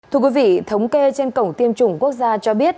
thưa quý vị thống kê trên cổng tiêm chủng quốc gia cho biết